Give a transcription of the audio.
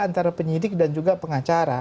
antara penyidik dan juga pengacara